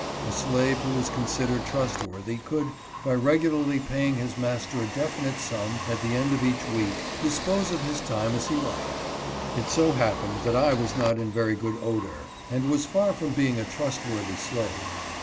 A slave who was considered trustworthy could, by regularly paying his master a definite sum at the end of each week, dispose of his time as he liked. It ENDEAVORED TO HIRE HIS TIME. 235 so happened that I was not in very good odor, and was far from being a trustworthy slave.